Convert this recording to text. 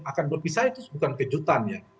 akan berpisah itu bukan kejutan ya